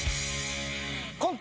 コント